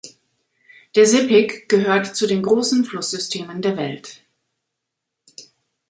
Der Sepik gehört zu den großen Flusssystemen der Welt.